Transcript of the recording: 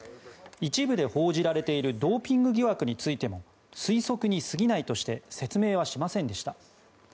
一部で報じられているドーピング疑惑については推測に過ぎないとして説明はしませんでした。